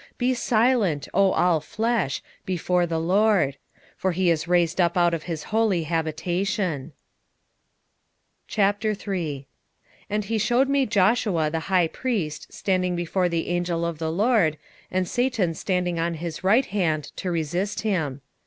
2:13 Be silent, O all flesh, before the LORD: for he is raised up out of his holy habitation. 3:1 And he shewed me Joshua the high priest standing before the angel of the LORD, and Satan standing at his right hand to resist him.